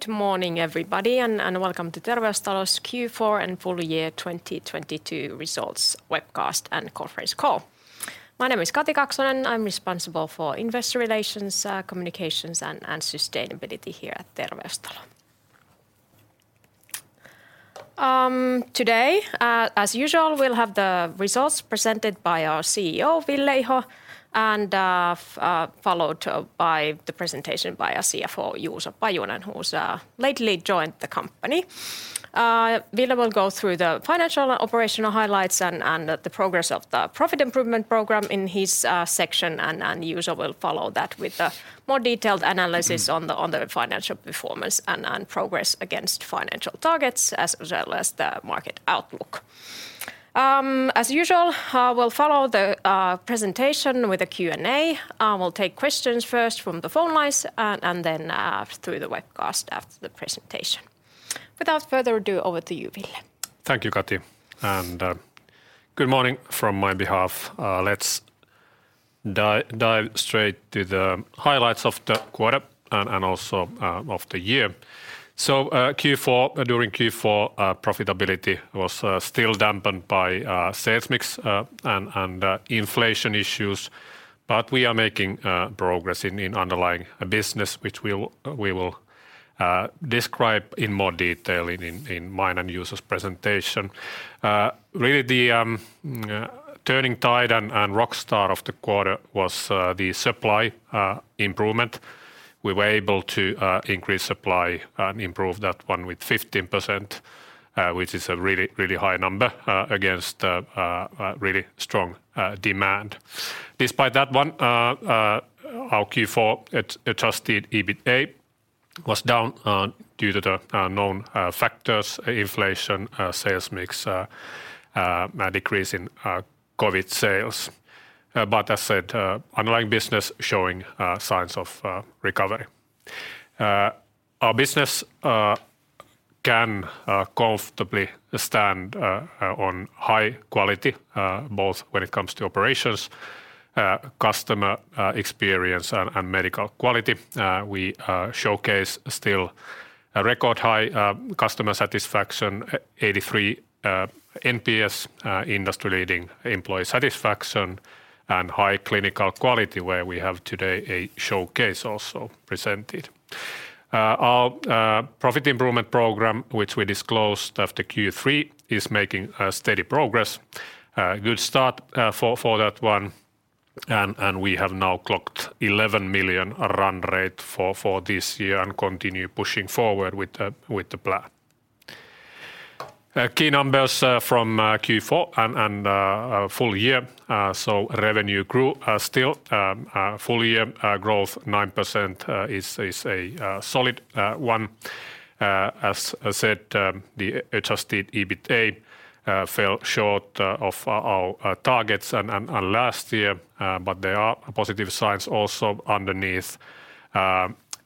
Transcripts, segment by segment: Good morning, everybody, and welcome to Terveystalo's Q4 and full year 2022 results webcast and conference call. My name is Kati Kaksonen. I'm responsible for investor relations, communications and sustainability here at Terveystalo. Today, as usual, we'll have the results presented by our CEO, Ville Iho, and followed by the presentation by our CFO, Juuso Pajunen, who's lately joined the company. Ville will go through the financial and operational highlights and the progress of the profit improvement program in his section, and Juuso will follow that with a more detailed analysis on the financial performance and progress against financial targets as well as the market outlook. As usual, we'll follow the presentation with a Q&A. We'll take questions first from the phone lines and then, through the webcast after the presentation. Without further ado, over to you, Ville. Thank you, Kati, and good morning from my behalf. Let's dive straight to the highlights of the quarter and also of the year. During Q4, profitability was still dampened by sales mix and inflation issues, but we are making progress in the underlying business which we'll, we will describe in more detail in mine and Juuso's presentation. Really the turning tide and rock star of the quarter was the supply improvement. We were able to increase supply and improve that one with 15%, which is a really high number against a really strong demand. Despite that one, our Q4 adjusted EBITA was down due to the known factors: inflation, sales mix, a decrease in COVID sales. But as said, underlying business showing signs of recovery. Our business can comfortably stand on high quality, both when it comes to operations, customer experience, and medical quality. We showcase still a record high customer satisfaction, 83 NPS, industry-leading employee satisfaction and high clinical quality where we have today a showcase also presented. Our profit improvement program, which we disclosed after Q3, is making steady progress. Good start for that one and we have now clocked 11 million run rate for this year and continue pushing forward with the plan Key numbers from Q4 and our full year, so revenue grew still. Full-year growth 9% is a solid one. As I said, the adjusted EBITA fell short of our targets and last year but there are positive signs also underneath.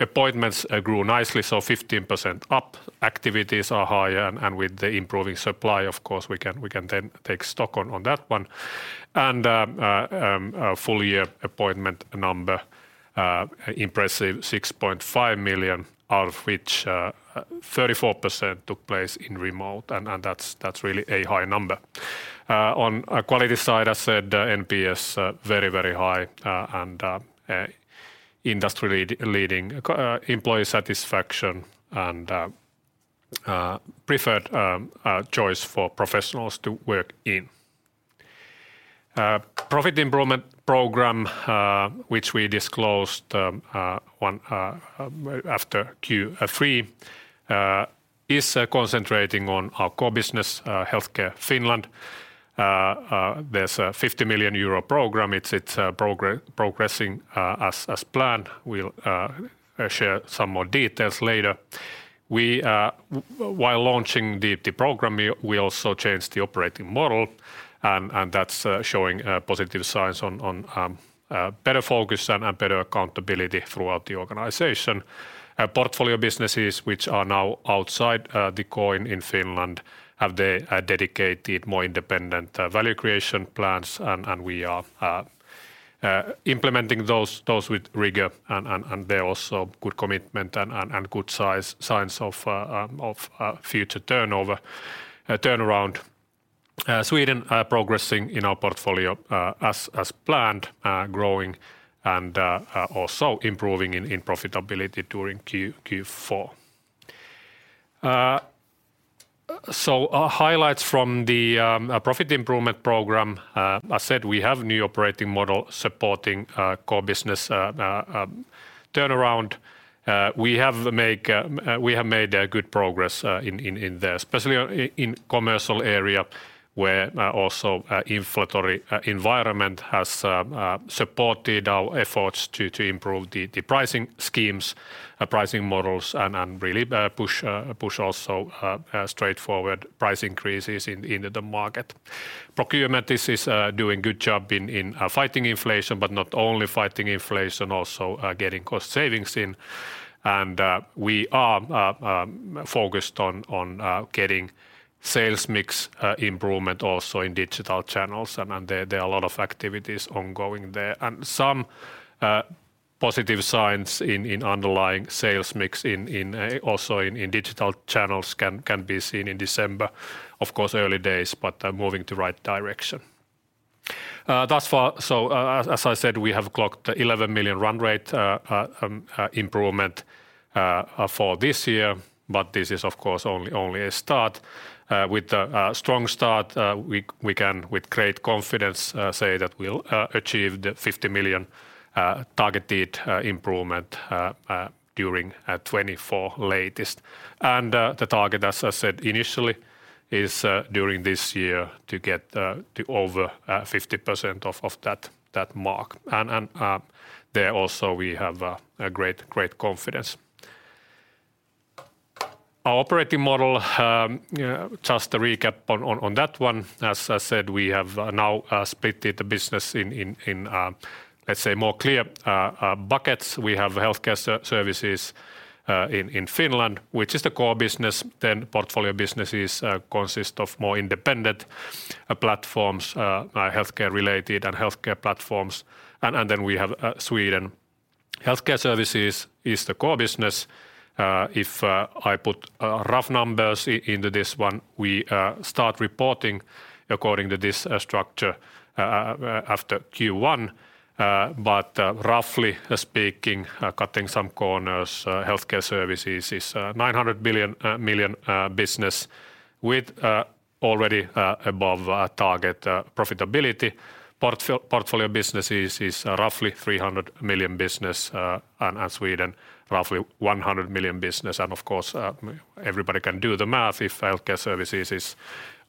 Appointments grew nicely, so 15% up. Activities are high and with the improving supply, of course, we can, we can then take stock on that one. And, our full-year appointment number, 6.5 million, of which, 34% took place in remote and that's really a high number. On a quality side, I said NPS, very high, and industry leading employee satisfaction and preferred choice for professionals to work in. Profit improvement program, which we disclosed, one after Q3, is concentrating on our core business, Healthcare Finland. There's a 50 million euro program. It's progressing as planned. We'll share some more details later. While launching the program, we also changed the operating model and that's showing positive signs on better focus and better accountability throughout the organization. Our Portfolio Businesses, which are now outside the core in Finland, have the dedicated more independent value creation plans and we are implementing those with rigor and there are also good commitment and good size, signs of future turnover turnaround. Sweden are progressing in our portfolio as planned, growing and also improving in profitability during Q4. Our highlights from the profit improvement program, I said we have new operating model supporting core business turnaround. We have made good progress in there, especially in commercial area where also inflationary environment has supported our efforts to improve the pricing schemes, pricing models and really push also straightforward price increases in the market. Procurement is doing good job in fighting inflation, but not only fighting inflation, also getting cost savings in. We are focused on getting sales mix improvement also in digital channels, and there are a lot of activities ongoing there. Some positive signs in underlying sales mix in also in digital channels can be seen in December. Of course, early days, but moving to right direction. Thus far, as I said, we have clocked 11 million run rate improvement for this year, but this is of course only a start. With the strong start, we can with great confidence say that we'll achieve the EUR 50 million targeted improvement during 2024 latest. The target, as I said initially, is during this year to get to over 50% of that mark. There also we have a great confidence. Our operating model, just a recap on that one. As I said, we have now split the business in, let's say more clear buckets. We have Healthcare Services in Finland, which is the core business. Portfolio Businesses consist of more independent platforms, healthcare related and healthcare platforms. We have Sweden. Healthcare services is the core business. If I put rough numbers into this one, we start reporting according to this structure after Q1. Roughly speaking, cutting some corners, Healthcare Services is a 900 million business with already above our target profitability. Portfolio Businesses is roughly 300 million business, and Sweden roughly 100 million business. Of course, everybody can do the math. If Healthcare Services is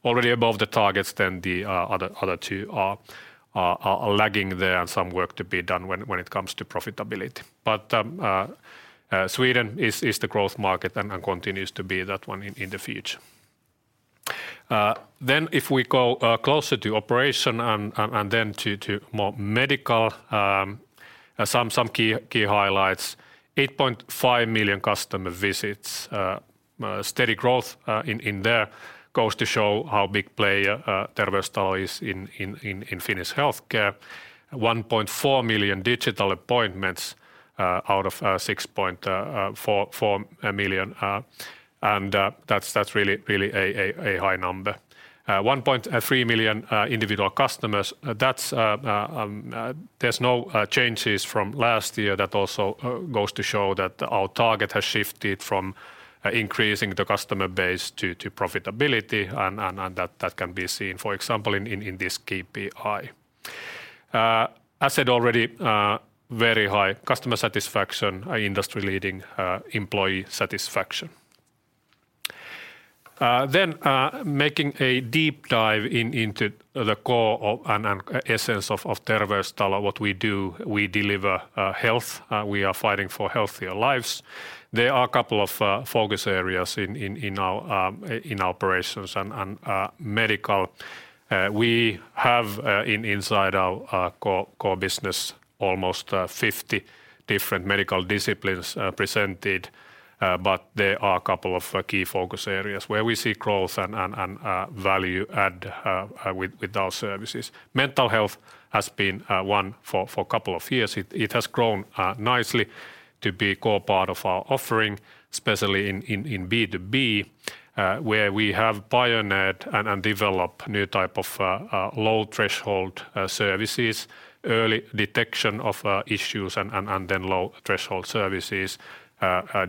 already above the targets, then the other two are lagging there and some work to be done when it comes to profitability. Sweden is the growth market and continues to be that one in the future. Then if we go closer to operation and then to more medical, some key highlights. 8.5 million customer visits. Steady growth there goes to show how big player Terveystalo is in Finnish healthcare. 1.4 million digital appointments out of 6.4 million. That's really a high number. 1.3 million individual customers. That's there's no changes from last year. That also goes to show that our target has shifted from increasing the customer base to profitability and that can be seen, for example, in this KPI. As said already, very high customer satisfaction, industry-leading employee satisfaction. Making a deep dive into the core of and essence of Terveystalo, what we do. We deliver health. We are fighting for healthier lives. There are a couple of focus areas in our operations and medical. We have inside core business almost 50 different medical disciplines presented, but there are a couple of key focus areas where we see growth and value add with our services. Mental health has been one for a couple of years. It has grown nicely to be core part of our offering, especially in B2B, where we have pioneered and developed new type of low-threshold services, early detection of issues and then low-threshold services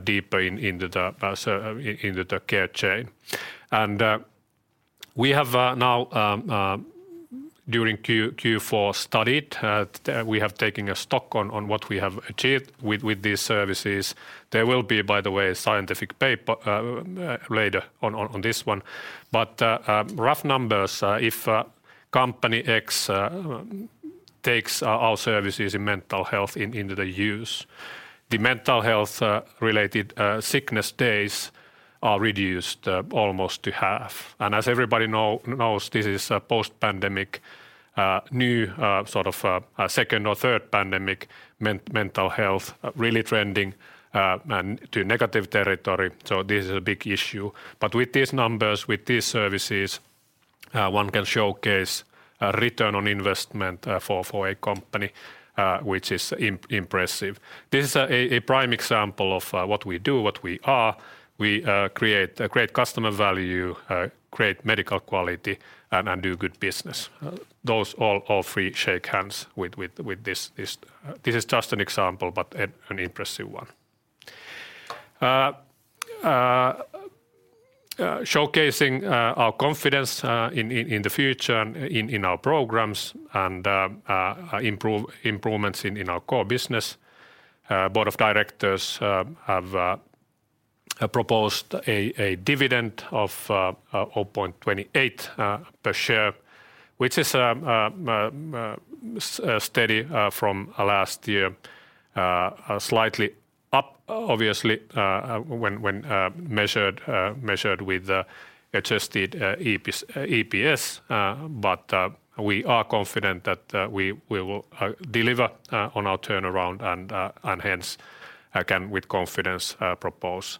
deeper into the care chain. We have now during Q4 studied, we have taken a stock on what we have achieved with these services. There will be, by the way, a scientific paper later on this one. Rough numbers, if company X takes our services in mental health into the use, the mental health related sickness days are reduced almost to half. As everybody knows, this is a post-pandemic, new sort of second or third pandemic, mental health really trending and to negative territory. This is a big issue. With these numbers, with these services, one can showcase a return on investment for a company, which is impressive. This is a prime example of what we do, what we are. We create great customer value, great medical quality, and do good business. Those all three shake hands with this. `This is just an example, but an impressive one. Showcasing our confidence in the future and in our programs and improvements in our core business, the Board of Directors have proposed a dividend of EUR 0.28 per share, which is steady from last year, slightly up obviously when measured with the adjusted EPS but we are confident that we will deliver on our turnaround and hence, again, with confidence propose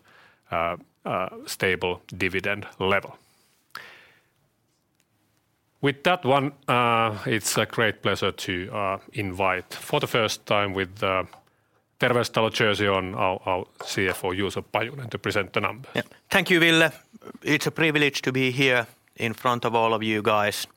stable dividend level. With that one it's a great pleasure to invite for the first time with Terveystalo our CFO Juuso Pajunen Thank you, Ville. It's a privilege to be here in front of all of you guys.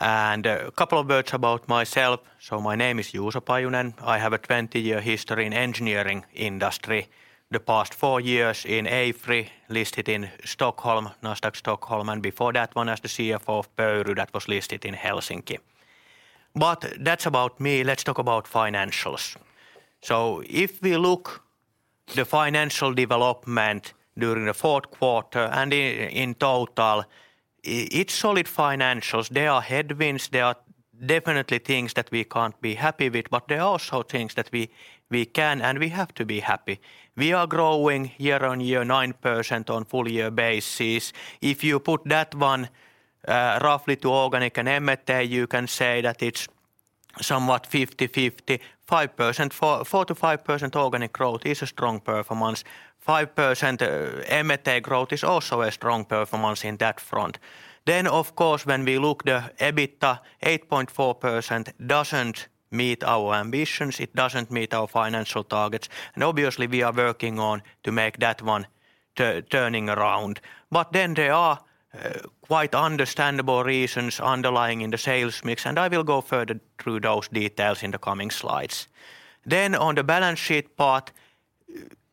A couple of words about myself. My name is Juuso Pajunen. I have a 20-year history in engineering industry. The past four years in AFRY, listed in Stockholm, Nasdaq Stockholm, and before that one as the CFO of Pöyry that was listed in Helsinki. That's about me. Let's talk about financials. If we look the financial development during the fourth quarter and in total, it's solid financials. There are headwinds, there are definitely things that we can't be happy with, but there are also things that we can and we have to be happy. We are growing year-over-year 9% on full year basis. If you put that one roughly to organic and M&A, you can say that it's somewhat 50/50, 5%... 4-5% organic growth is a strong performance. 5% M&A growth is also a strong performance in that front. Of course, when we look the EBITDA, 8.4% doesn't meet our ambitions, it doesn't meet our financial targets, and obviously we are working on to make that one turning around. There are quite understandable reasons underlying in the sales mix, and I will go further through those details in the coming slides. On the balance sheet part,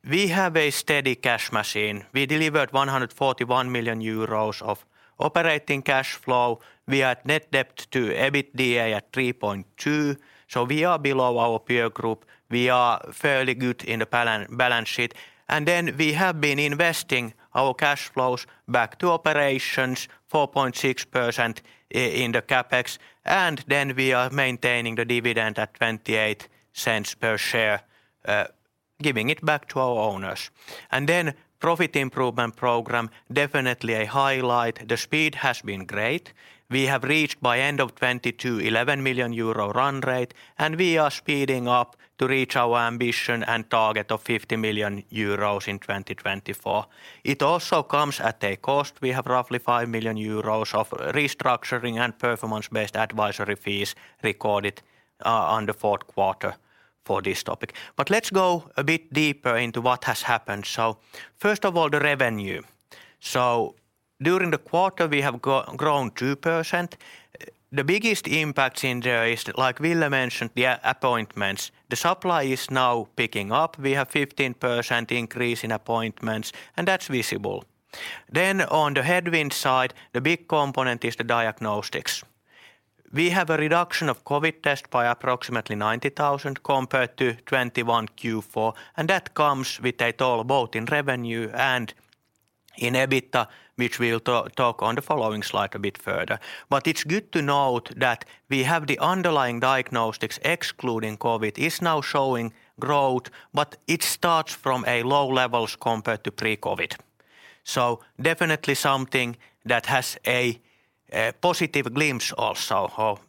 we have a steady cash machine. We delivered 141 million euros of operating cash flow. We are at net debt to EBITDA at 3.2x, so we are below our peer group. We are fairly good in the balance sheet. We have been investing our cash flows back to operations, 4.6% in the CapEx, and then we are maintaining the dividend at 0.28 per share, giving it back to our owners. Profit improvement program, definitely a highlight. The speed has been great. We have reached by end of 2022 11 million euro run rate, and we are speeding up to reach our ambition and target of 50 million euros in 2024. It also comes at a cost. We have roughly 5 million euros of restructuring and performance-based advisory fees recorded on the fourth quarter for this topic. Let's go a bit deeper into what has happened. First of all, the revenue. During the quarter, we have grown 2%. The biggest impact in there is, like Ville mentioned, the appointments. The supply is now picking up. We have 15% increase in appointments, and that's visible. On the headwind side, the big component is the diagnostics. We have a reduction of COVID test by approximately 90,000 compared to 2021 Q4, and that comes with a toll both in revenue and in EBITDA, which we'll talk on the following slide a bit further. It's good to note that we have the underlying diagnostics excluding COVID is now showing growth, but it starts from a low levels compared to pre-COVID. Definitely something that has a positive glimpse also of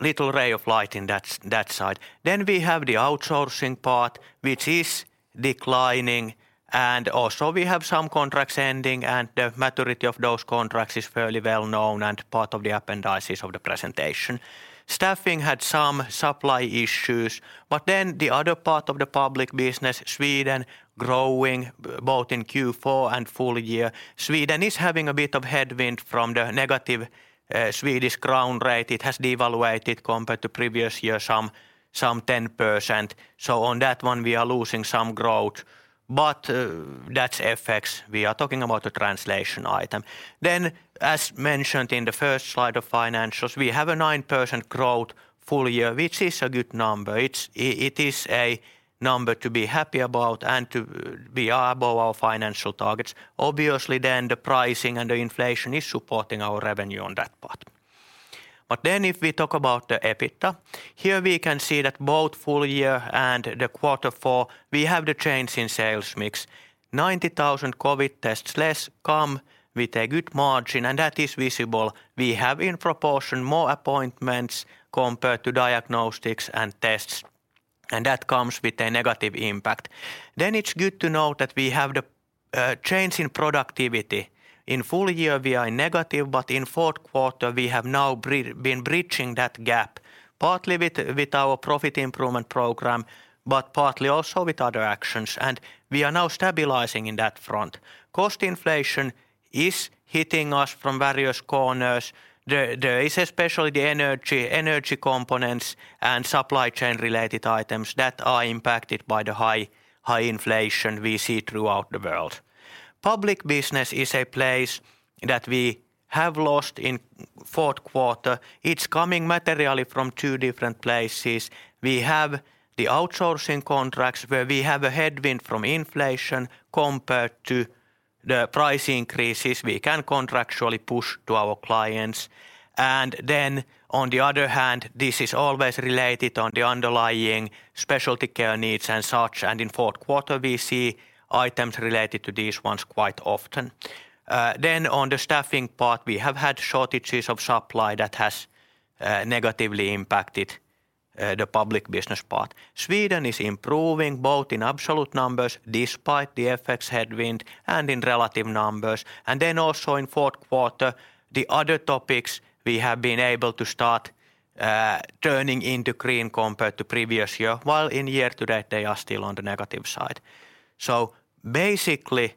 little ray of light in that side. We have the outsourcing part, which is declining, and also, we have some contracts ending, and the maturity of those contracts is fairly well known and part of the appendices of the presentation. Staffing had some supply issues. The other part of the public business, Sweden growing both in Q4 and full year. Sweden is having a bit of headwind from the negative Swedish krona rate. It has devaluated compared to previous year some 10%. On that one, we are losing some growth, but that's effects. We are talking about the translation item. As mentioned in the first slide of financials, we have a 9% growth full year, which is a good number. It is a number to be happy about and to... We are above our financial targets. Obviously, the pricing and the inflation is supporting our revenue on that part. If we talk about the EBITDA, here we can see that both full year and the quarter four, we have the change in sales mix. 90,000 COVID tests less come with a good margin, that is visible. We have in proportion more appointments compared to diagnostics and tests, that comes with a negative impact. It's good to note that we have the change in productivity. In full year, we are negative, in fourth quarter, we have now been bridging that gap, partly with our profit improvement program, partly also with other actions, we are now stabilizing in that front. Cost inflation is hitting us from various corners. There is especially the energy components and supply chain related items that are impacted by the high inflation we see throughout the world. Public business is a place that we have lost in fourth quarter. It's coming materially from two different places. We have the outsourcing contracts where we have a headwind from inflation compared to the price increases we can contractually push to our clients. On the other hand, this is always related on the underlying specialty care needs and such, and in fourth quarter, we see items related to these ones quite often. On the staffing part, we have had shortages of supply that has negatively impacted the public business part. Sweden is improving both in absolute numbers despite the FX headwind and in relative numbers, also in fourth quarter, the other topics we have been able to start turning into green compared to previous year, while in year to date, they are still on the negative side. Basically,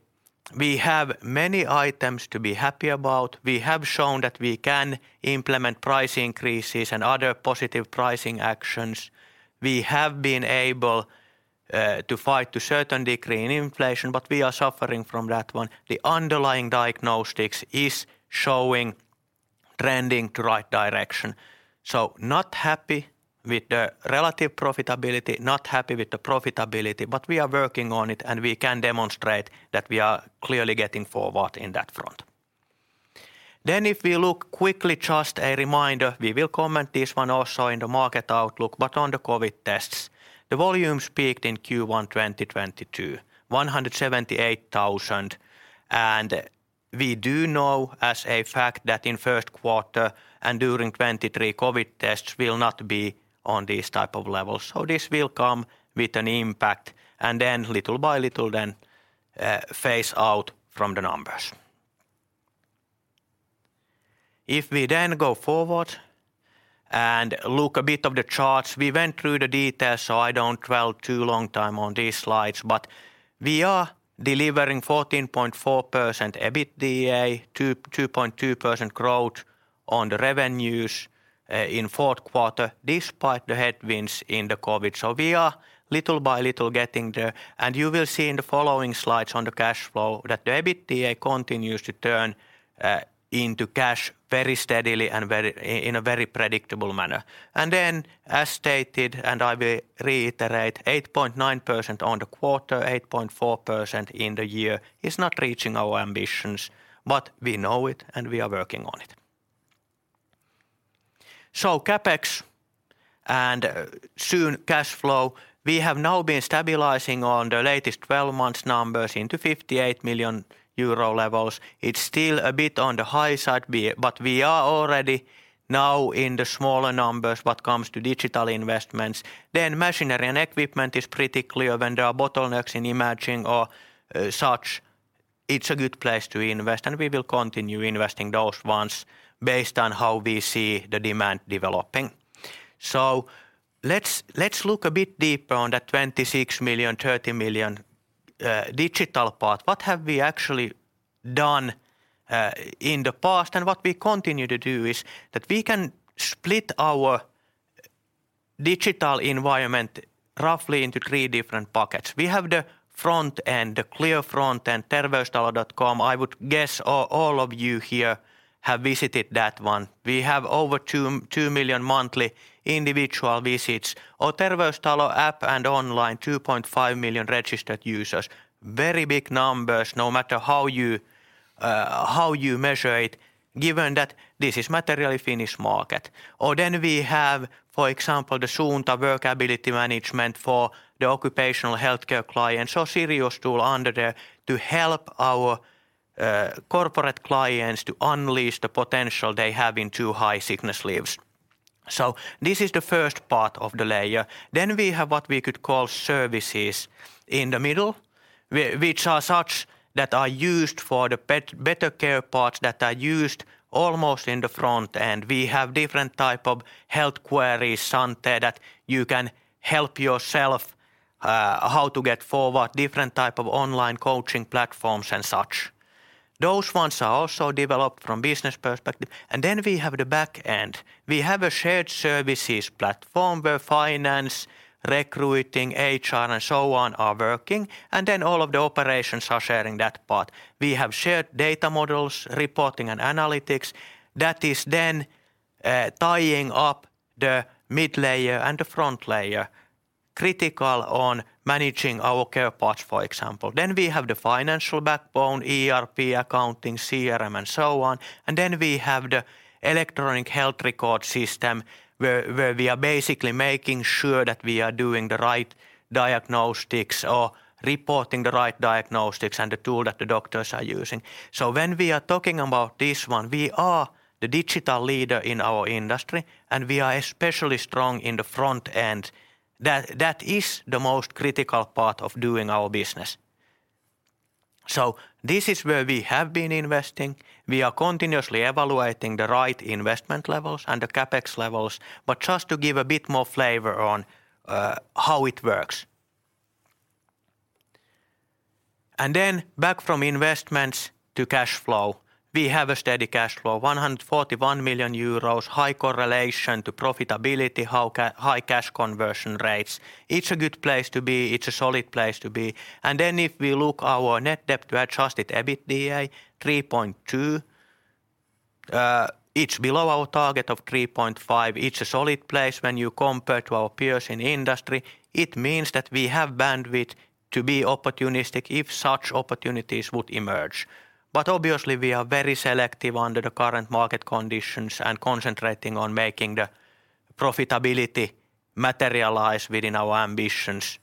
we have many items to be happy about. We have shown that we can implement price increases and other positive pricing actions. We have been able to fight to certain degree in inflation. We are suffering from that one. The underlying diagnostics is showing trending to right direction. Not happy with the relative profitability, not happy with the profitability, but we are working on it, and we can demonstrate that we are clearly getting forward in that front. If we look quickly just a reminder, we will comment this one also in the market outlook, but on the COVID tests, the volumes peaked in Q1 2022, 178,000, and we do know as a fact that in first quarter and during 2023, COVID tests will not be on these type of levels. This will come with an impact, and then little by little then phase out from the numbers. We then go forward and look a bit of the charts, we went through the details, I don't dwell too long time on these slides, but we are delivering 14.4% EBITDA, 2.2% growth on the revenues in fourth quarter, despite the headwinds in the COVID. We are little by little getting there, and you will see in the following slides on the cash flow that the EBITDA continues to turn into cash very steadily and in a very predictable manner. As stated, and I will reiterate, 8.9% on the quarter, 8.4% in the year is not reaching our ambitions, but we know it, and we are working on it. CapEx and soon cash flow, we have now been stabilizing on the latest 12 months numbers into 58 million euro levels. It's still a bit on the high side, but we are already now in the smaller numbers when it comes to digital investments. Machinery and equipment is pretty clear when there are bottlenecks in imaging or such. It's a good place to invest, and we will continue investing those ones based on how we see the demand developing. Let's look a bit deeper on the 26 million, 30 million digital part. What have we actually done in the past? What we continue to do is that we can split our digital environment roughly into three different buckets. We have the front end, the clear front end, terveystalo.com. I would guess all of you here have visited that one. We have over 2 million monthly individual visits. Our Terveystalo app and online, 2.5 million registered users. Very big numbers, no matter how you how you measure it, given that this is materially Finnish market. We have, for example, the Suunta work ability management for the occupational healthcare clients or Sirius tool under there to help our corporate clients to unleash the potential they have in too high sickness leaves. This is the first part of the layer. We have what we could call services in the middle which are such that are used for the better care parts that are used almost in the front. We have different type of health queries on there that you can help yourself how to get forward, different type of online coaching platforms and such. Those ones are also developed from business perspective. Then we have the back end. We have a shared services platform where finance, recruiting, HR, and so on are working. Then all of the operations are sharing that part. We have shared data models, reporting, and analytics. That is then tying up the mid-layer and the front layer, critical on managing our care parts, for example. Then we have the financial backbone, ERP, accounting, CRM, and so on. Then we have the electronic health record system where we are basically making sure that we are doing the right diagnostics or reporting the right diagnostics and the tool that the doctors are using. When we are talking about this one, we are the digital leader in our industry, and we are especially strong in the front end. That is the most critical part of doing our business. This is where we have been investing. We are continuously evaluating the right investment levels and the CapEx levels, just to give a bit more flavor on how it works. Back from investments to cash flow. We have a steady cash flow, 141 million euros, high correlation to profitability, high cash conversion rates. It's a good place to be. It's a solid place to be. If we look our net debt to adjusted EBITDA, 3.2x, it's below our target of 3.5x. It's a solid place when you compare to our peers in industry. It means that we have bandwidth to be opportunistic if such opportunities would emerge. Obviously, we are very selective under the current market conditions and concentrating on making the profitability materialize within our ambitions.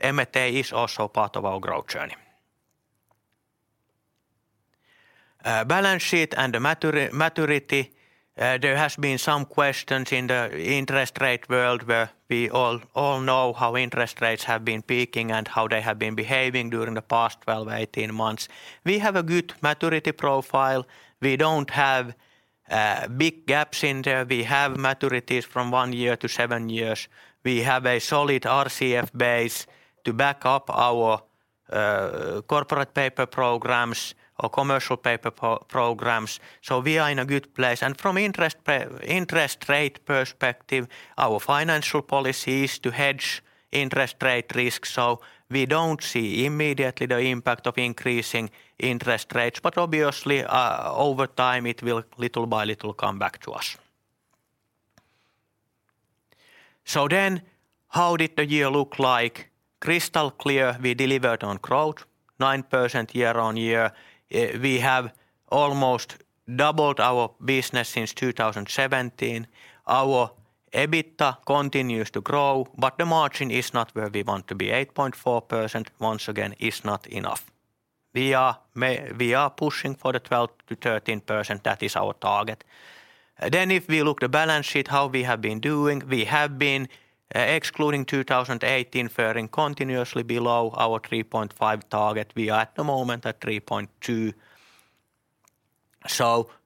M&A is also part of our growth journey. Balance sheet and the maturity, there has been some questions in the interest rate world where we all know how interest rates have been peaking and how they have been behaving during the past 12, 18 months. We have a good maturity profile. We don't have big gaps in there. We have maturities from one year to seven years. We have a solid RCF base to back up our corporate paper programs or commercial paper programs. We are in a good place. From interest rate perspective, our financial policy is to hedge interest rate risk, so we don't see immediately the impact of increasing interest rates. Obviously, over time, it will little by little come back to us. How did the year look like? Crystal clear, we delivered on growth, 9% year-on-year. We have almost doubled our business since 2017. Our EBITDA continues to grow, but the margin is not where we want to be. 8.4%, once again, is not enough. We are pushing for the 12%-13%. That is our target. If we look the balance sheet, how we have been doing, we have been, excluding 2018, fairing continuously below our 3.5x target. We are at the moment at 3.2x.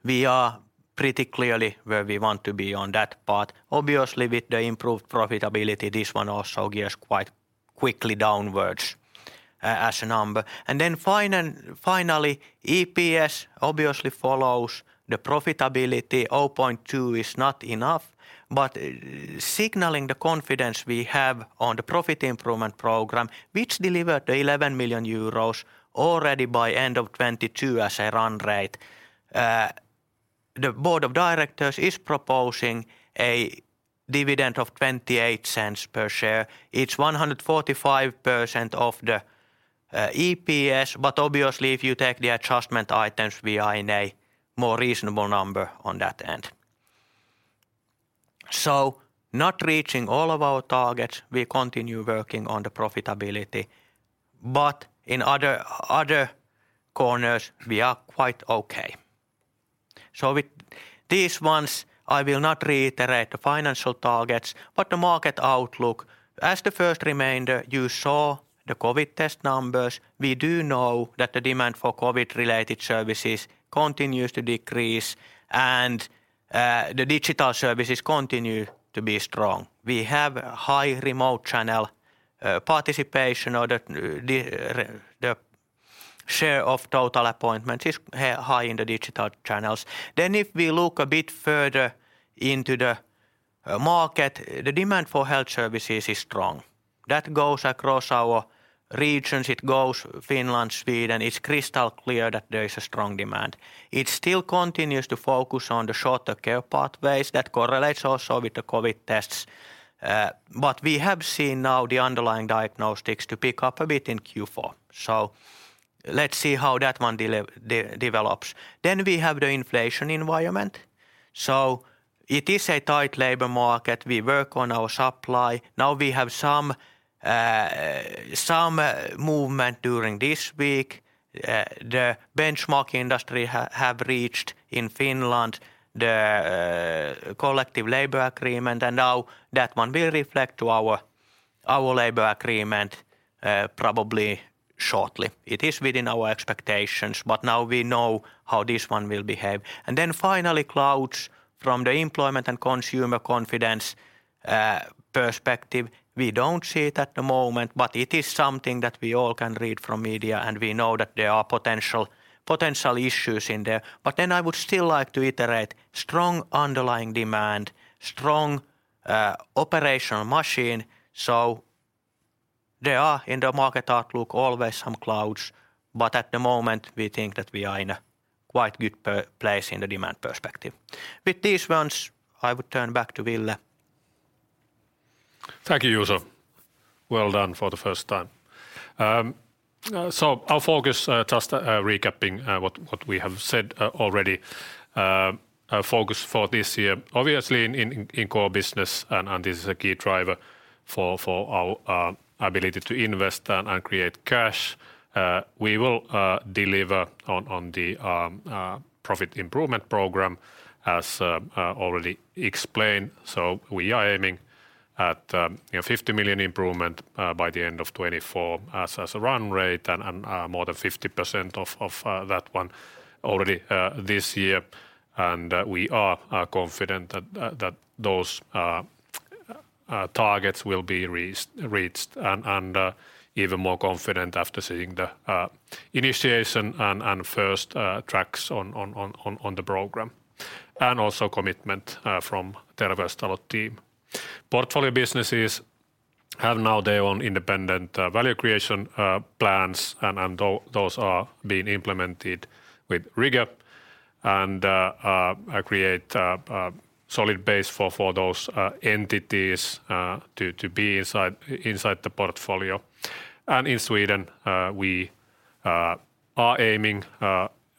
We are pretty clearly where we want to be on that part. Obviously, with the improved profitability, this one also gives quite quickly downwards as a number. Finally, EPS obviously follows the profitability. 0.2 is not enough. Signaling the confidence we have on the profit improvement program, which delivered 11 million euros already by end of 2022 as a run rate, the board of directors is proposing a dividend of 0.28 per share. It's 145% of the EPS. Obviously, if you take the adjustment items, we are in a more reasonable number on that end. Not reaching all of our targets, we continue working on the profitability. In other corners, we are quite okay. With these ones, I will not reiterate the financial targets, but the market outlook. As the first remainder, you saw the COVID test numbers. We do know that the demand for COVID-related services continues to decrease, the digital services continue to be strong. We have high remote channel participation or the share of total appointments is high in the digital channels. If we look a bit further into the market, the demand for health services is strong. That goes across our regions. It goes Finland, Sweden. It's crystal clear that there is a strong demand. It still continues to focus on the shorter care pathways that correlates also with the COVID tests. We have seen now the underlying diagnostics to pick up a bit in Q4. Let's see how that one develops. We have the inflation environment. It is a tight labor market. We work on our supply. Now we have some movement during this week. The benchmark industry have reached in Finland the collective labor agreement. Now that one will reflect to our labor agreement probably shortly. It is within our expectations, but now we know how this one will behave. Finally, clouds from the employment and consumer confidence perspective. We don't see it at the moment, but it is something that we all can read from media, and we know that there are potential issues in there. I would still like to iterate strong underlying demand, strong operational machine. There are in the market outlook always some clouds, but at the moment, we think that we are in a quite good place in the demand perspective. With these ones, I would turn back to Ville. Thank you, Juuso. Well done for the first time. Our focus, just recapping what we have said already, our focus for this year, obviously in core business and this is a key driver for our ability to invest and create cash. We will deliver on the profit improvement program as already explained. So we are aiming at, you know, 50 million improvement by the end of 2024 as a run rate and more than 50% of that one already this year. We are confident that those targets will be reached and even more confident after seeing the initiation and first tracks on the program, and also commitment from Terveystalo team. Portfolio businesses have now their own independent value creation plans, and those are being implemented with rigor and create a solid base for those entities to be inside the portfolio. In Sweden, we are aiming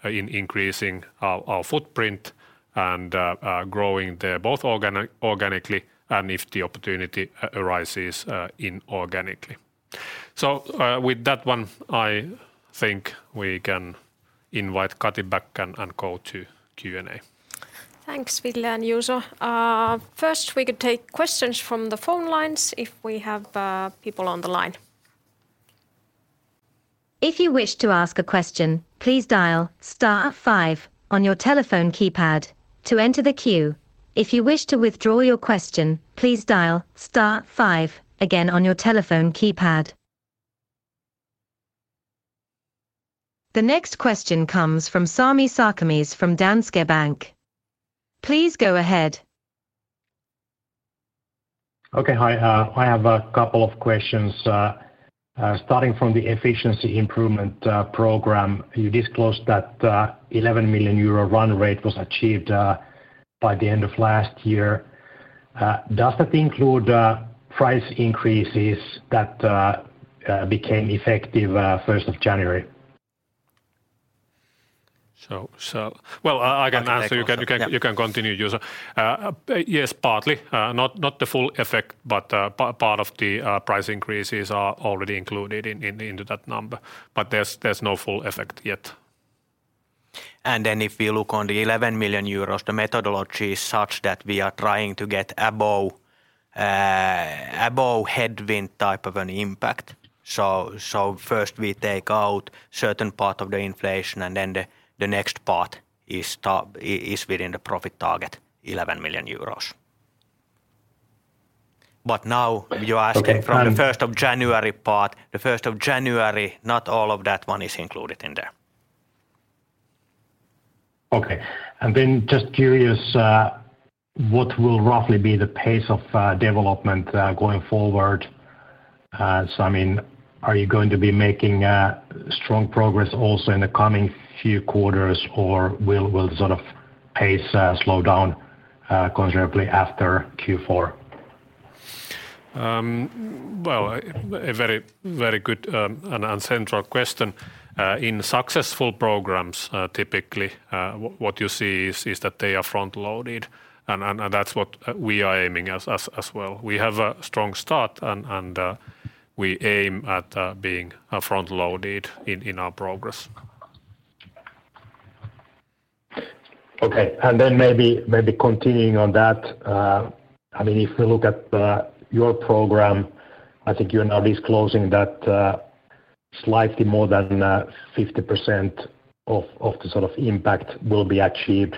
in increasing our footprint and growing there both organically and if the opportunity arises, inorganically. With that one, I think we can invite Kati back and go to Q&A. Thanks, Ville and Juuso. first, we could take questions from the phone lines if we have people on the line. If you wish to ask a question, please dial star five on your telephone keypad to enter the queue. If you wish to withdraw your question, please dial star five again on your telephone keypad. The next question comes from Sami Sarkamies from Danske Bank. Please go ahead. Okay. Hi, I have a couple of questions starting from the efficiency improvement program. You disclosed that 11 million euro run rate was achieved by the end of last year. Does that include price increases that became effective 1st of January? Well, I can answer. You can continue, Juuso. Yes, partly. Not the full effect, but part of the price increases are already included to that number. There's no full effect yet. If you look on the 11 million euros, the methodology is such that we are trying to get above headwind type of an impact. First we take out certain part of the inflation, the next part is within the profit target, 11 million euros. Now you're asking. Okay.... from the 1st of January part. The 1st of January, not all of that one is included in there. Okay. Just curious, what will roughly be the pace of development going forward? I mean, are you going to be making strong progress also in the coming few quarters, or will the sort of pace slow down considerably after Q4? Well, a very good and central question. In successful programs, typically, what you see is that they are front-loaded, and that's what we are aiming as well. We have a strong start and we aim at being front-loaded in our progress. Okay. Maybe continuing on that, I mean, if we look at your program, I think you're now disclosing that slightly more than 50% of the sort of impact will be achieved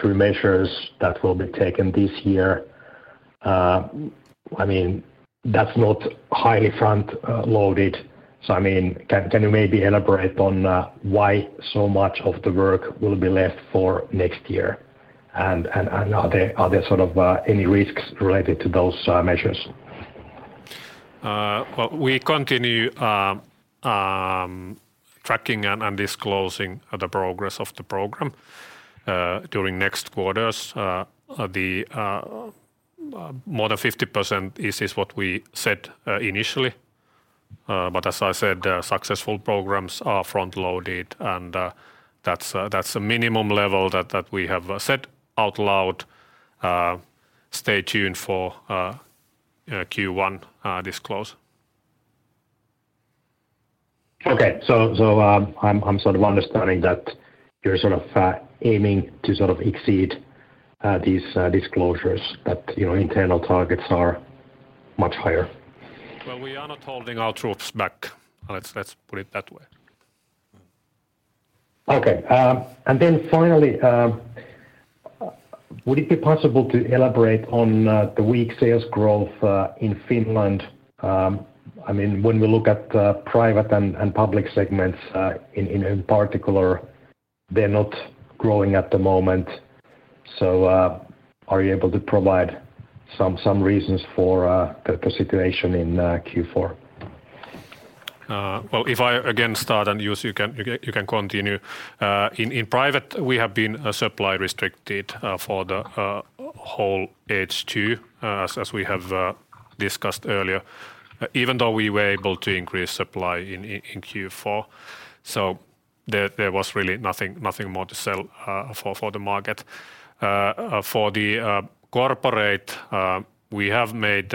through measures that will be taken this year. I mean, that's not highly front loaded. I mean, can you maybe elaborate on why so much of the work will be left for next year, and are there sort of any risks related to those measures? Well, we continue tracking and disclosing the progress of the program. During next quarters, the more than 50% is what we said initially. As I said, successful programs are front-loaded, and that's a minimum level that we have set out loud. Stay tuned for Q1 disclose. Okay. I'm sort of understanding that you're sort of, aiming to sort of exceed, these, disclosures that, you know, internal targets are much higher. Well, we are not holding our troops back. Let's put it that way. Finally, would it be possible to elaborate on the weak sales growth in Finland? I mean, when we look at private and public segments in particular, they're not growing at the moment. Are you able to provide some reasons for the situation in Q4? Well, if I again start, and Juuso, you can continue. In private, we have been supply restricted for the whole H2, as we have discussed earlier, even though we were able to increase supply in Q4. There was really nothing more to sell for the market. For the corporate, we have made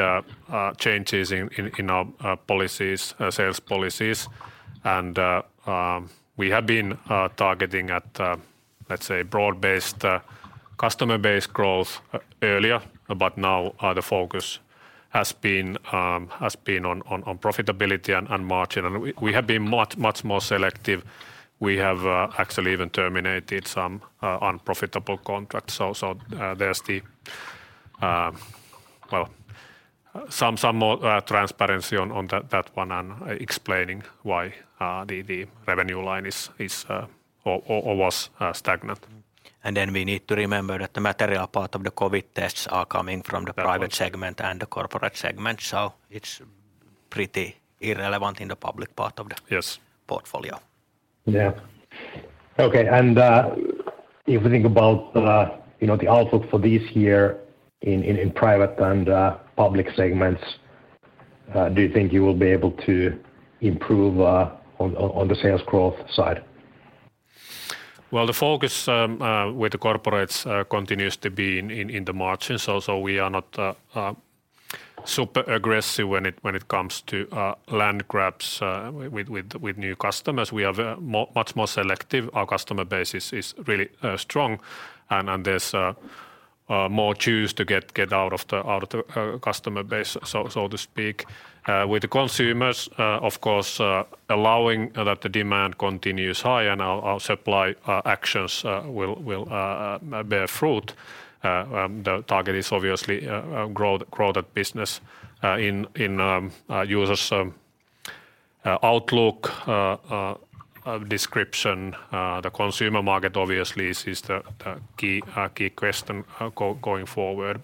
changes in our policies, sales policies, and we have been targeting at, let's say, broad-based customer base growth earlier, but now the focus has been on profitability and margin. We have been much more selective. We have actually even terminated some unprofitable contracts. There's the, some more transparency on that one and explaining why the revenue line is or was stagnant. We need to remember that the material part of the COVID tests are coming from the private segment. That's right.... and the corporate segment. It's pretty irrelevant in the public part of the- Yes... portfolio. Yeah. Okay. If we think about, you know, the outlook for this year in private and public segments, do you think you will be able to improve on the sales growth side? Well, the focus with the corporates continues to be in the margins. We are not super aggressive when it comes to land grabs with new customers. We are much more selective. Our customer base is really strong and there's more juice to get out of the customer base so to speak. With the consumers, of course, allowing that the demand continues high and our supply actions will bear fruit. The target is obviously grow that business in Juuso's outlook description. The consumer market obviously is the key question going forward.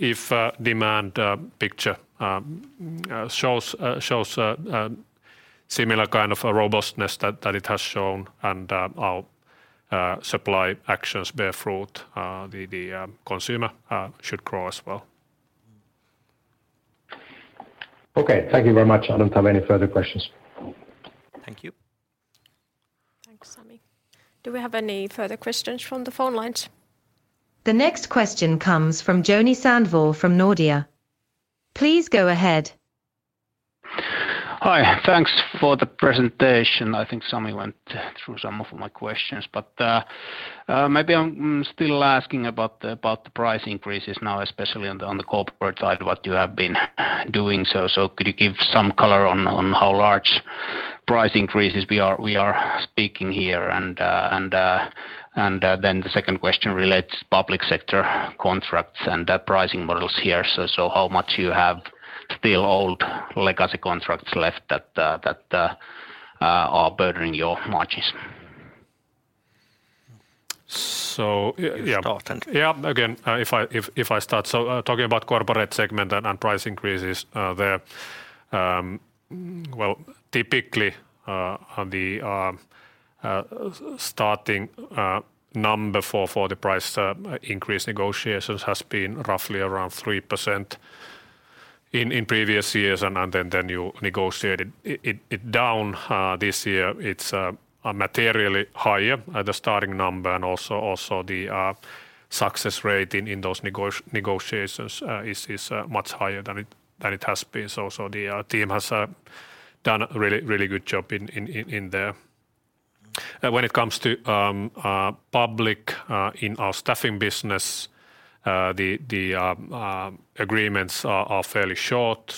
If demand picture shows similar kind of a robustness that it has shown and our supply actions bear fruit, the consumer should grow as well. Okay. Thank you very much. I don't have any further questions. Thank you. Thanks, Sami. Do we have any further questions from the phone lines? The next question comes from Joni Sandvall from Nordea. Please go ahead. Hi. Thanks for the presentation. I think Sami went through some of my questions. Maybe I'm still asking about the price increases now, especially on the corporate side, what you have been doing. Could you give some color on how large price increases we are speaking here? Then the second question relates public sector contracts and the pricing models here. How much you have still old legacy contracts left that are burdening your margins? Yeah. You start. Yeah. Again, if I start. Talking about corporate segment and price increases there, well, typically, the starting number for the price increase negotiations has been roughly around 3% in previous years and then you negotiate it down. This year it's a materially higher the starting number and also the success rate in those negotiations is much higher than it has been. The team has done a really, really good job in there. When it comes to public in our staffing business, the agreements are fairly short.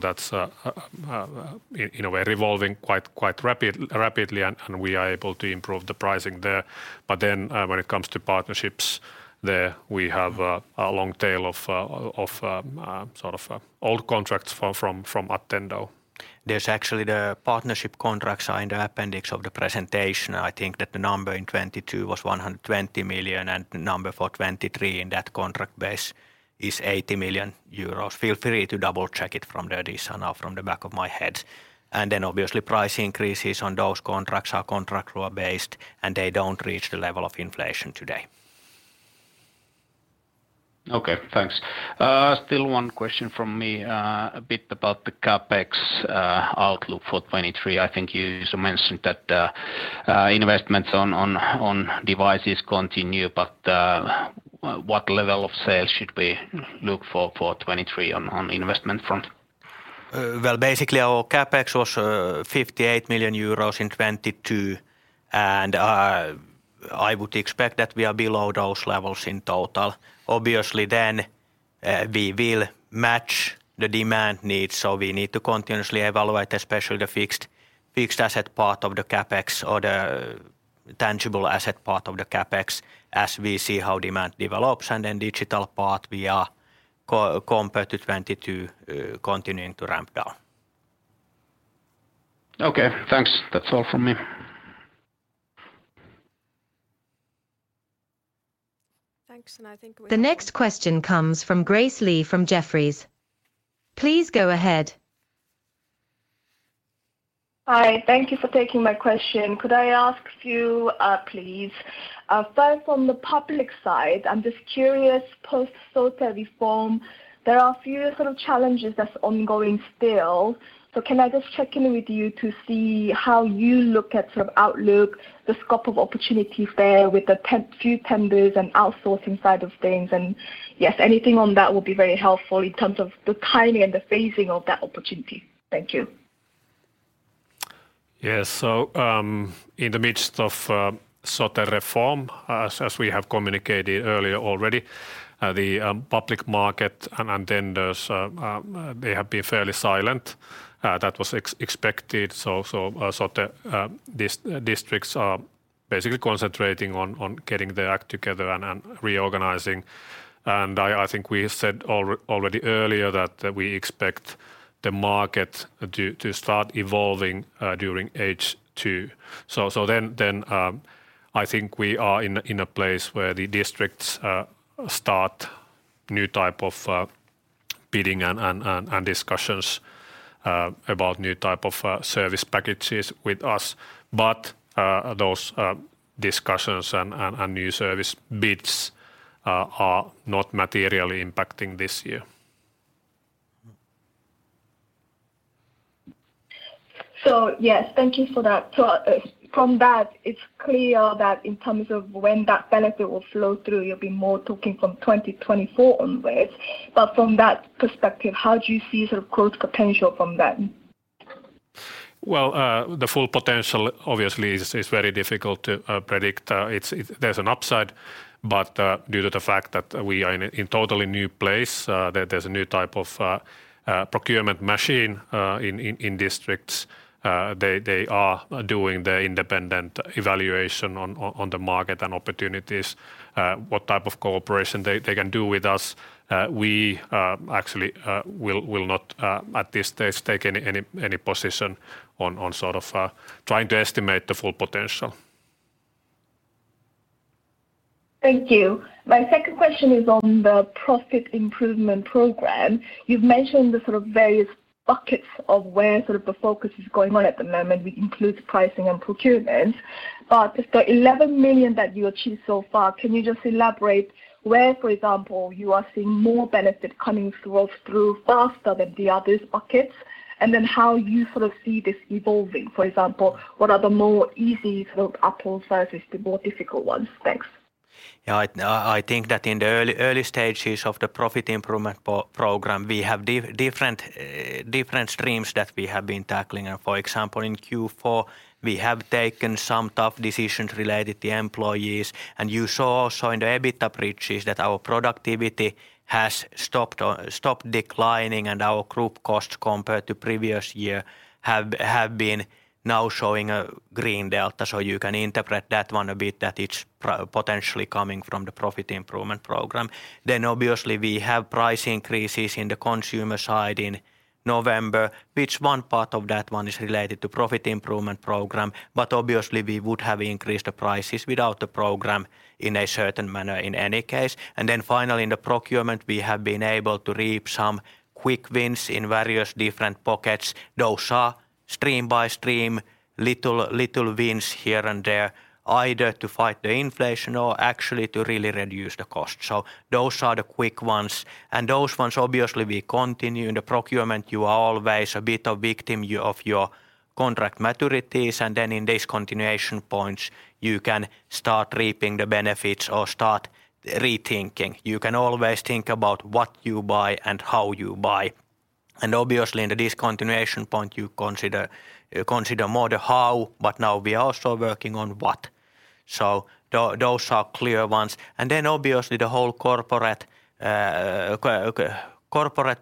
That's, you know, we're evolving quite rapidly and we are able to improve the pricing there. When it comes to partnerships there, we have a long tail of old contracts from Attendo. There's actually the partnership contracts are in the appendix of the presentation. I think that the number in 2022 was 120 million, and the number for 2023 in that contract base is 80 million euros. Feel free to double-check it from there, these are now from the back of my head. Obviously, price increases on those contracts are contract law based, and they don't reach the level of inflation today. Okay. Thanks. still one question from me, a bit about the CapEx outlook for 2023. I think you also mentioned that investments on devices continue, but what level of sales should we look for for 2023 on investment front? Well, basically our CapEx was 58 million euros in 2022. I would expect that we are below those levels in total. Obviously we will match the demand needs, so we need to continuously evaluate, especially the fixed asset part of the CapEx or the tangible asset part of the CapEx as we see how demand develops. Digital part we are compared to 2022, continuing to ramp down. Okay. Thanks. That's all from me. Thanks. I think. The next question comes from Grace Lee from Jefferies. Please go ahead. Hi. Thank you for taking my question. Could I ask you, please, first on the public side, I'm just curious post-Sote reform, there are a few sort of challenges that's ongoing still. Can I just check in with you to see how you look at sort of outlook, the scope of opportunities there with the few tenders and outsourcing side of things. Anything on that will be very helpful in terms of the timing and the phasing of that opportunity. Thank you. Yes. In the midst of Sote reform, as we have communicated earlier already, the public market and tenders, they have been fairly silent. That was expected. So, districts are basically concentrating on getting their act together and reorganizing. I think we said already earlier that we expect the market to start evolving during H2. Then, I think we are in a place where the districts start new type of bidding and discussions about new type of service packages with us. Those discussions and new service bids are not materially impacting this year. Yes, thank you for that. From that it's clear that in terms of when that benefit will flow through, you'll be more talking from 2024 onwards, but from that perspective, how do you see sort of growth potential from that? Well, the full potential obviously is very difficult to predict. There's an upside. Due to the fact that we are in totally new place, there's a new type of procurement machine in districts, they are doing the independent evaluation on the market and opportunities, what type of cooperation they can do with us. We actually will not at this stage take any position on sort of trying to estimate the full potential. Thank you. My second question is on the profit improvement program. You've mentioned the sort of various buckets of where sort of the focus is going on at the moment, which includes pricing and procurement. The 11 million that you achieved so far, can you just elaborate where, for example, you are seeing more benefit coming through faster than the other buckets? How you sort of see this evolving? For example, what are the more easy sort of apple sizes to more difficult ones? Thanks. Yeah. I think that in the early stages of the profit improvement program, we have different streams that we have been tackling. For example, in Q4 we have taken some tough decisions related to employees. You saw also in the EBITDA bridges that our productivity has stopped declining and our group costs compared to previous year have been now showing a green delta. You can interpret that one a bit, that it's potentially coming from the profit improvement program. Obviously, we have price increases in the consumer side in November, which one part of that one is related to profit improvement program, but obviously we would have increased the prices without the program in a certain manner in any case. Finally, in the procurement, we have been able to reap some quick wins in various different pockets. Those are stream by stream, little wins here and there, either to fight the inflation or actually to really reduce the cost. Those are the quick ones. Those ones obviously we continue. In the procurement, you are always a bit of victim of your contract maturities, and then in these continuation points you can start reaping the benefits or start rethinking. You can always think about what you buy and how you buy. Obviously in the discontinuation point you consider more the how, but now we are also working on what. Those are clear ones. Then, obviously the whole corporate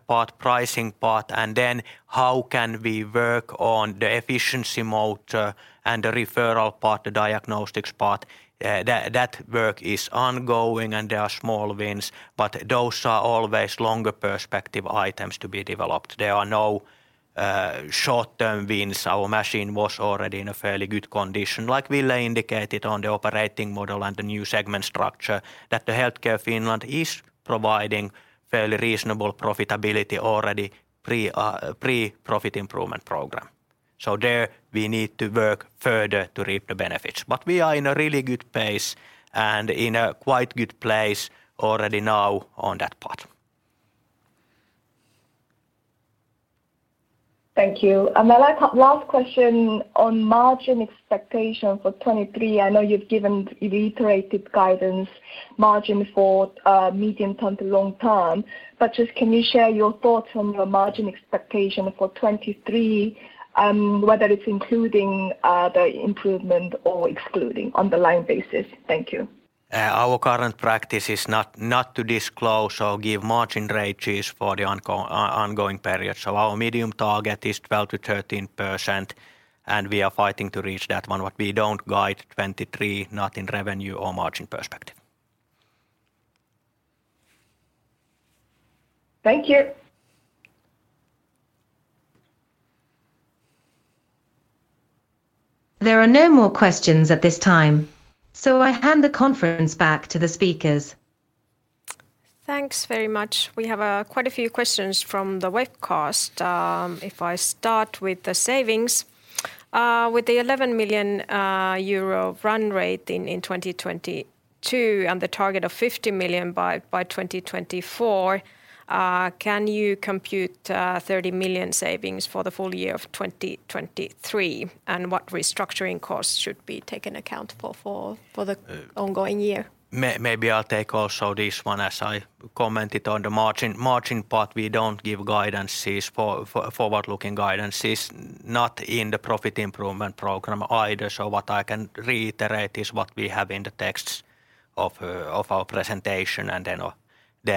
part, pricing part, and then how can we work on the efficiency mode, and the referral part, the diagnostics part. That, that work is ongoing and there are small wins, but those are always longer perspective items to be developed. There are no short-term wins. Our machine was already in a fairly good condition, like Ville indicated on the operating model and the new segment structure, that the healthcare Finland is providing fairly reasonable profitability already pre-profit improvement program. There we need to work further to reap the benefits. We are in a really good pace and in a quite good place already now on that path. Thank you. My last question on margin expectation for 2023. I know you've given reiterated guidance margin for medium term to long term, but just can you share your thoughts on the margin expectation for 2023, whether it's including the improvement or excluding on the line basis? Thank you. Our current practice is not to disclose or give margin ranges for the ongoing period. Our medium target is 12%-13%, and we are fighting to reach that one. We don't guide 2023, not in revenue or margin perspective. Thank you. There are no more questions at this time, I hand the conference back to the speakers. Thanks very much. We have quite a few questions from the webcast. If I start with the savings, with the 11 million euro run rate in 2022 and the target of 50 million by 2024, can you compute 30 million savings for the full year of 2023? What restructuring costs should be taken accountable for the ongoing year? Maybe I'll take also this one. As I commented on the margin part, we don't give guidances, forward-looking guidances, not in the profit improvement program either. What I can reiterate is what we have in the texts of our presentation and then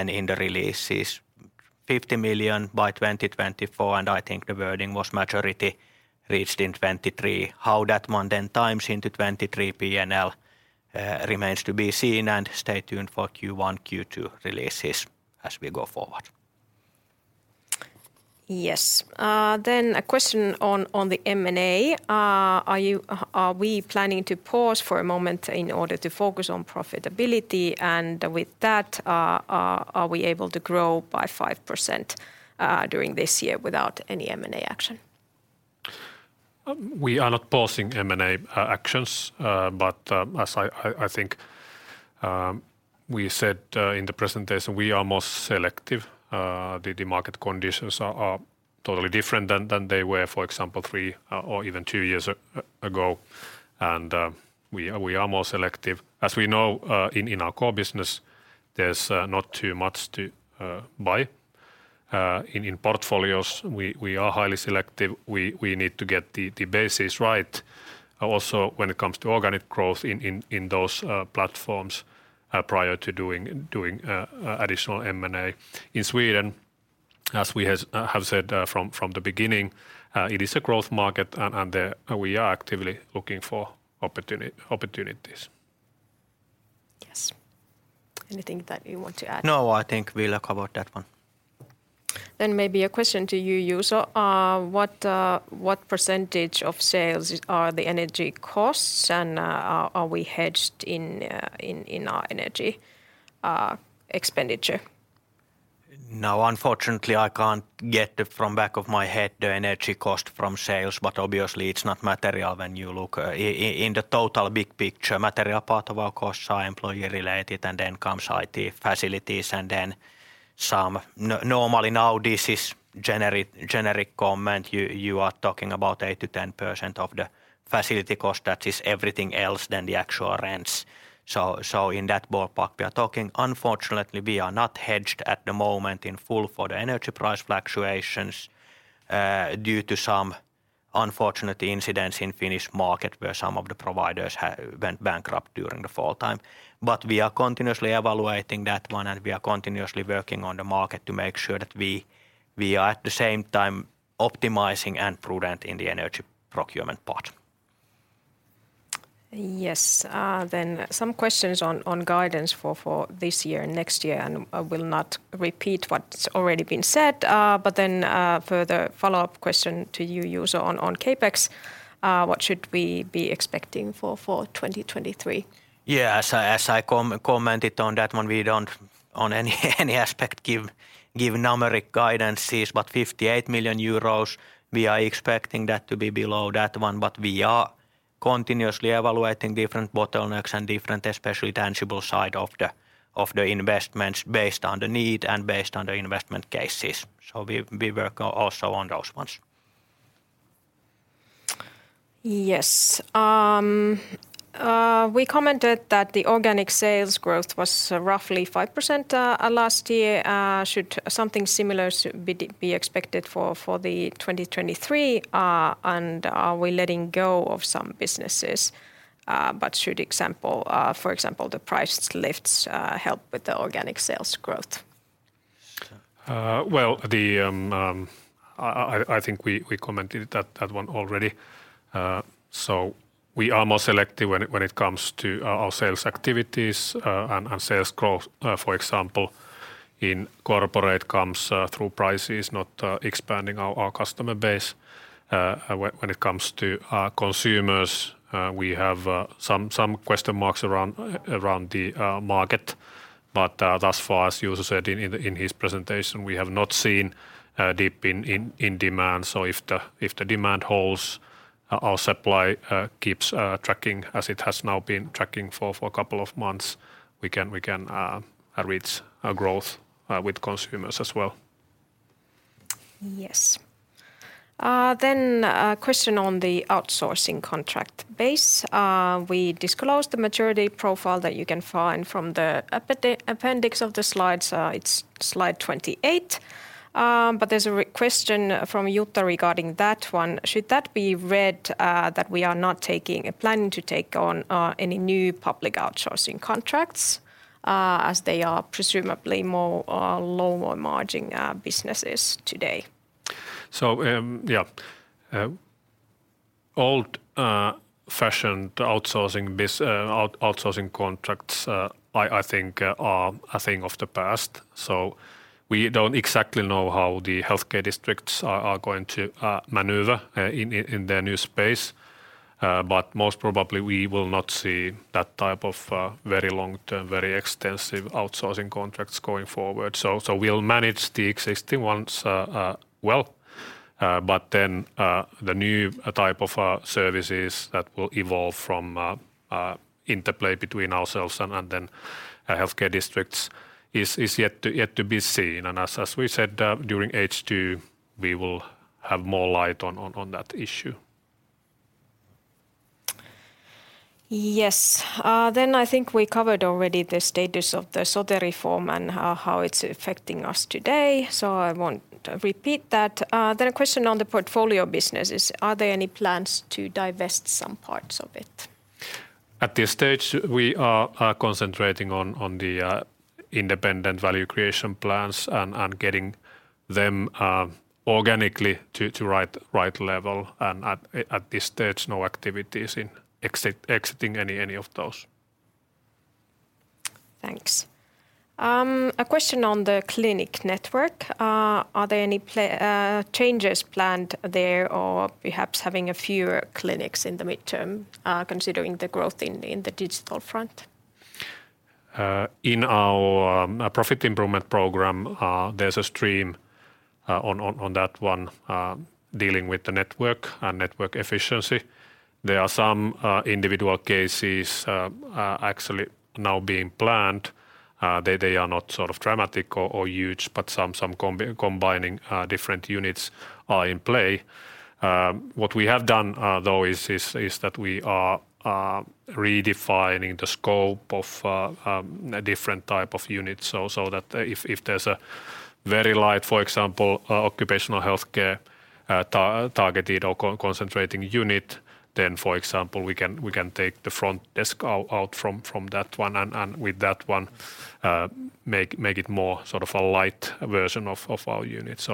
in the releases, 50 million by 2024, and I think the wording was majority reached in 2023. How that one then times into 2023 PNL remains to be seen, and stay tuned for Q1, Q2 releases as we go forward. Yes. Then a question on the M&A. Are we planning to pause for a moment in order to focus on profitability? With that, are we able to grow by 5% during this year without any M&A action? We are not pausing M&A actions. As I think we said in the presentation, we are more selective. The market conditions are totally different than they were, for example, three or even two years ago, and we are more selective. As we know, in our core business, there's not too much to buy. In portfolios, we are highly selective. We need to get the bases right also when it comes to organic growth in those platforms prior to doing additional M&A. In Sweden, as we have said from the beginning, it is a growth market. There we are actively looking for opportunities. Yes. Anything that you want to add? No, I think we look about that one. Maybe a question to you, Juuso. What percentage of sales are the energy costs and are we hedged in our energy expenditure? Unfortunately I can't get it from back of my head the energy cost from sales, but obviously it's not material when you look in the total big picture. Material part of our costs are employee related, and then comes IT, facilities, and then some. Normally now this is generic comment. You are talking about 8%-10% of the facility cost. That is everything else than the actual rents. In that ballpark we are talking. Unfortunately, we are not hedged at the moment in full for the energy price fluctuations due to some unfortunate incidents in Finnish market where some of the providers went bankrupt during the fall time. We are continuously evaluating that one, and we are continuously working on the market to make sure that we are at the same time optimizing and prudent in the energy procurement part. Yes. Some questions on guidance for this year and next year, I will not repeat what's already been said. Further follow-up question to you, Juuso, on CapEx. What should we be expecting for 2023? Yeah. As I commented on that one, we don't on any aspect give numeric guidances, but 58 million euros we are expecting that to be below that one. We are continuously evaluating different bottlenecks and different especially tangible side of the investments based on the need and based on the investment cases. We work also on those ones. Yes. We commented that the organic sales growth was roughly 5% last year. Should something similar be expected for the 2023? Are we letting go of some businesses? Should example, for example, the price lifts, help with the organic sales growth? Well, I think we commented that one already. We are more selective when it comes to our sales activities and sales growth, for example, in corporate comes through prices, not expanding our customer base. When it comes to our consumers, we have some question marks around the market, thus far, as Juuso said in his presentation, we have not seen a dip in demand. If the demand holds, our supply keeps tracking as it has now been tracking for a couple of months, we can reach a growth with consumers as well. Yes. A question on the outsourcing contract base. We disclosed the maturity profile that you can find from the appendix of the slides. It's slide 28. There's a question from Jutta regarding that one. Should that be read that we are not taking or planning to take on any new public outsourcing contracts as they are presumably more lower margin businesses today? Yeah. Old fashioned outsourcing contracts, I think, are a thing of the past, so we don't exactly know how the healthcare districts are going to maneuver in their new space. Most probably we will not see that type of very long-term, very extensive outsourcing contracts going forward. We'll manage the existing ones well. The new type of services that will evolve from interplay between ourselves and then healthcare districts is yet to be seen. As we said, during H2, we will have more light on that issue. I think we covered already the status of the Sote reform and how it's affecting us today, so I won't repeat that. A question on the portfolio businesses. Are there any plans to divest some parts of it? At this stage we are concentrating on the independent value creation plans and getting them organically to right level and at this stage no activities in exiting any of those. Thanks. A question on the clinic network. Are there any changes planned there or perhaps having a fewer clinics in the midterm, considering the growth in the digital front? In our profit improvement program, there's a stream on that one, dealing with the network and network efficiency. There are some individual cases actually now being planned. They are not sort of dramatic or huge, but some combi- combining different units are in play. What we have done, though, is that we are redefining the scope of a different type of unit so that if there's a very light, for example, occupational healthcare, tar- targeted or con- concentrating unit, then, for example, we can take the front desk out from that one and with that one, make it more sort of a light version of our unit.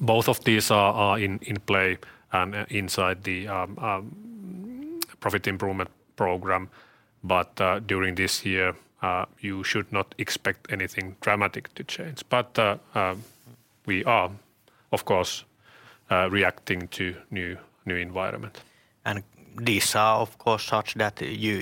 Both of these are in play, inside the profit improvement program. During this year, you should not expect anything dramatic to change. We are, of course, reacting to new environment. These are, of course, such that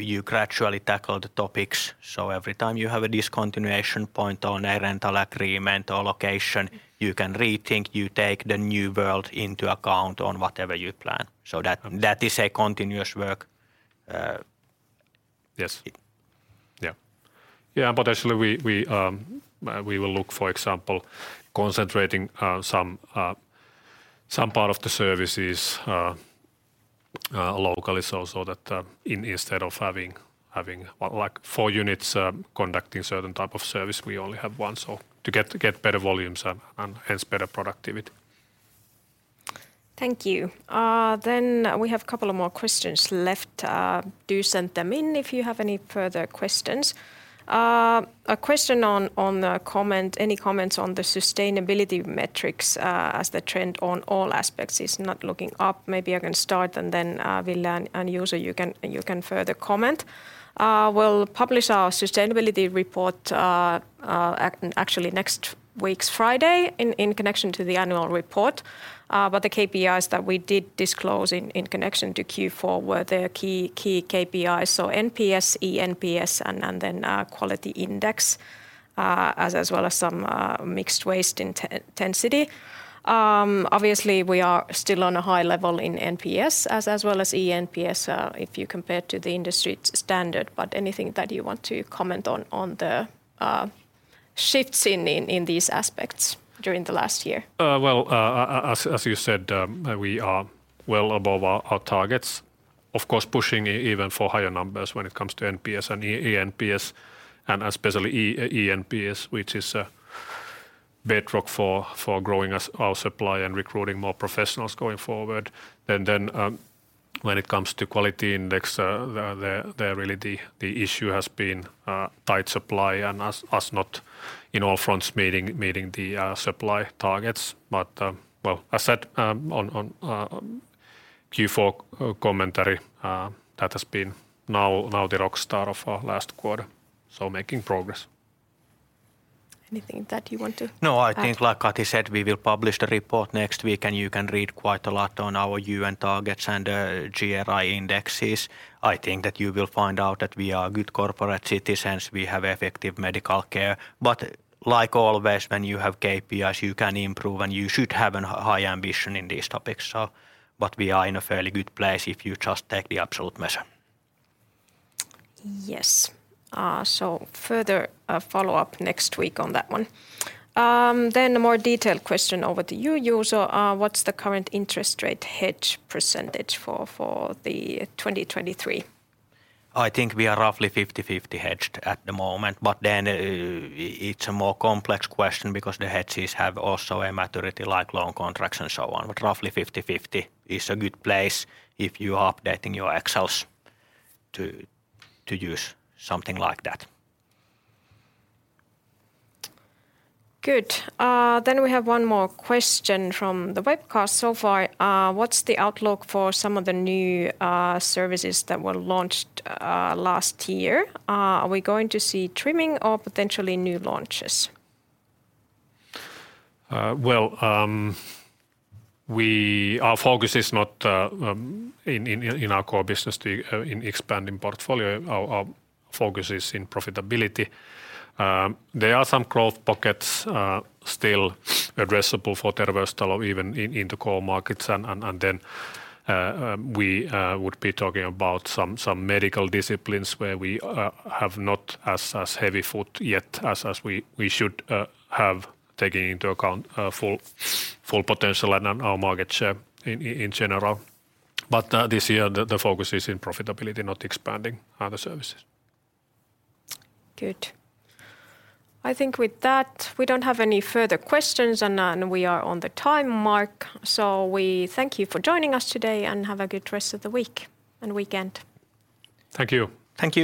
you gradually tackle the topics. Every time you have a discontinuation point on a rental agreement or location, you can rethink, you take the new world into account on whatever you plan. Um-... that is a continuous work. Yes. Yeah. Actually we will look, for example, concentrating some part of the services locally so that instead of having what like four units conducting certain type of service, we only have one, so to get better volumes and hence better productivity. Thank you. We have a couple of more questions left. Do send them in if you have any further questions. A question on the comment, any comments on the sustainability metrics, as the trend on all aspects is not looking up. Maybe I can start and Ville and Juuso, you can further comment. We'll publish our Sustainability Report actually next week's Friday in connection to the Annual Report. The KPIs that we did disclose in connection to Q4 were the key KPIs. NPS, eNPS, and then quality index, as well as some mixed waste intensity. obviously, we are still on a high level in NPS as well as eNPS, if you compare to the industry standard, but anything that you want to comment on the shifts in these aspects during the last year? Well, as you said, we are well above our targets. Of course, pushing even for higher numbers when it comes to NPS and eNPS, and especially eNPS, which is a bedrock for growing our supply and recruiting more professionals going forward. When it comes to quality index, there really the issue has been tight supply and us not in all fronts meeting the supply targets. Well, I said on Q4 commentary, that has been now the rock star of our last quarter, so making progress. Anything that you want to add? No, I think like Kati said, we will publish the report next week. You can read quite a lot on our UN targets and GRI indexes. I think that you will find out that we are good corporate citizens. We have effective medical care. Like always, when you have KPIs, you can improve, and you should have a high ambition in these topics. We are in a fairly good place if you just take the absolute measure. Yes. Further, follow-up next week on that one. A more detailed question over to you, Juuso. What's the current interest rate hedge percentage for the 2023? I think we are roughly 50/50 hedged at the moment. It's a more complex question because the hedges have also a maturity like loan contracts and so on. Roughly 50/50 is a good place if you are updating your Excels to use something like that. Good. We have one more question from the webcast so far. What's the outlook for some of the new services that were launched last year? Are we going to see trimming or potentially new launches? Well, our focus is not in our core business in expanding portfolio. Our focus is in profitability. There are some growth pockets still addressable for Terveystalo even in the core markets. Then we would be talking about some medical disciplines where we have not as heavy foot yet as we should have, taking into account full potential and our market share in general. This year, the focus is in profitability, not expanding other services. Good. I think with that, we don't have any further questions, and we are on the time mark. We thank you for joining us today and have a good rest of the week and weekend. Thank you. Thank you.